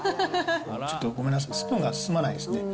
ちょっとごめんなさい、スプーンが進まないですね。